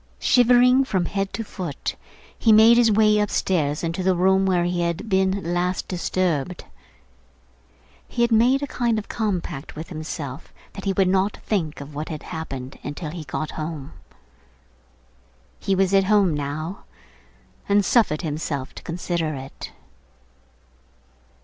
Shivering from head to foot, he made his way upstairs into the room where he had been last disturbed. He had made a kind of compact with himself that he would not think of what had happened until he got home. He was at home now, and suffered himself to consider it.